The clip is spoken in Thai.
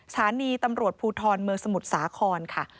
สถานีตำรวจภูทรเมืองสมุทรสาครค่ะ